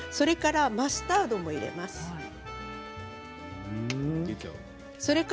マスタードも入れます。